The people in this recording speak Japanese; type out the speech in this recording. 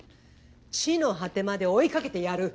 地の果てまで追い掛けてやる。